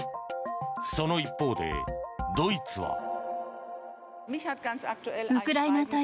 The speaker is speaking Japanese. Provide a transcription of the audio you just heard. その一方で、ドイツは。